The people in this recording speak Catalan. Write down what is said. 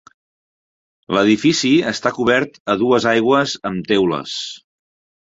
L'edifici està cobert a dues aigües amb teules.